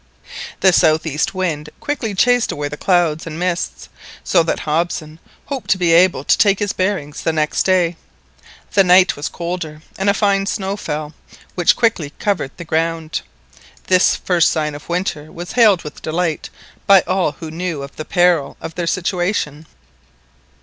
The south east wind quickly chased away the clouds and mists, so that Hobson hoped to be able to take his bearings the next day. The night was colder and a fine snow fell, which quickly covered the ground. This first sign of winter was hailed with delight by all who knew of the peril of their situation.